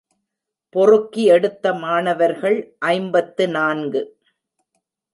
பொறுக்கி எடுத்த மாணவர்கள் ஐம்பத்து நான்கு.